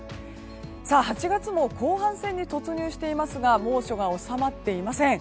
８月も後半戦に突入していますが猛暑が収まっていません。